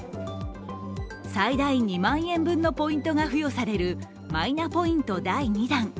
最大２万円分のポイントが付与されるマイナポイント第２弾。